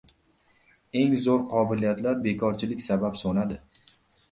Eng zo‘r qobiliyatlar bekorchilik sabab so‘nadi.